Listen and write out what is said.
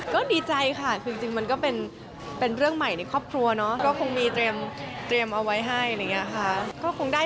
ก็ดีใจค่ะคือจริงมันก็เป็นเรื่องใหม่ในครอบครัวเนาะก็คงมีเตรียมเอาไว้ให้อะไรอย่างนี้ค่ะ